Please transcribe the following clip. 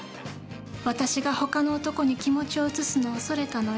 私がほかの男に気持ちを移すのを恐れたのよ。